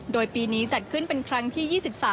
โดยปีนี้จัดขึ้นเป็นครั้งที่๒๓